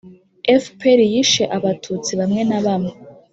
fpr yishe abatutsi bamwe na bamwe